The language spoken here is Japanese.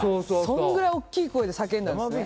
そのくらい大きい声で叫んだんですね。